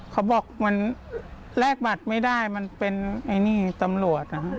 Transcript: เขาบอกแรกบัตรไม่ได้มันเป็นตำรวจนะ